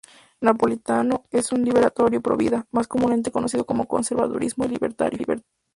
Napolitano es un libertario provida, más comúnmente conocido como conservadurismo libertario.